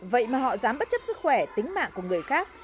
vậy mà họ dám bất chấp sức khỏe tính mạng của người khác